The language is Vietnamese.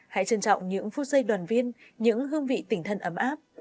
hãy trân trọng những phút giây đoàn viên những hương vị tỉnh thân ấm áp